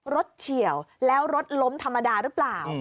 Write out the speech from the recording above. เฉียวแล้วรถล้มธรรมดาหรือเปล่า